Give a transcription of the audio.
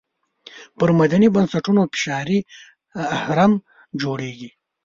پر مدني بنسټونو فشاري اهرم جوړېږي.